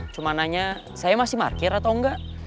cuma nanya saya masih parkir atau enggak